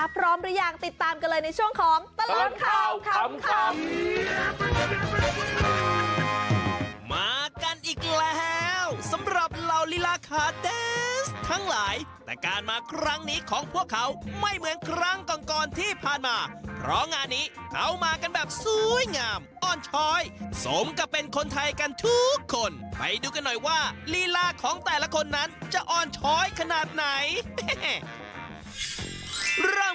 พร้อมหรือยังติดตามกันเลยเนี่ยช่วงของไปเข้าข้าม